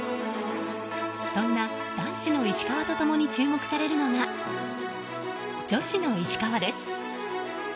そんな男子の石川と共に注目されるのが女子の石川です。